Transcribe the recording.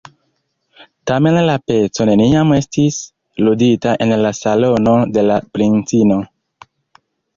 Tamen la peco neniam estis ludita en la salono de la princino.